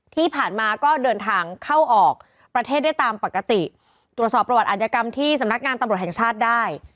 ที่ผ่านมาก็เดินทางเข้าออกประเทศได้ตามปกติตรวจสอบประวัติอัธยกรรมที่สำนักงานตำรวจแห่งชาติได้